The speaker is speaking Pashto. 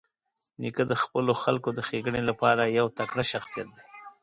نیکه د خپلو خلکو د ښېګڼې لپاره یو تکړه شخصیت دی.